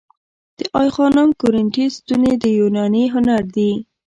د آی خانم کورینتی ستونې د یوناني هنر دي